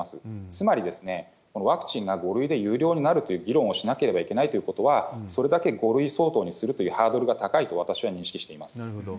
つまりワクチンが５類で有料になるという議論をしなければいけないということは、それだけ５類相当にするというハードルが高いと私は認識していまなるほど。